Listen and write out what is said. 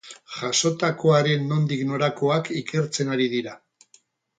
Jazotakoaren nondik norakoak ikertzen ari dira.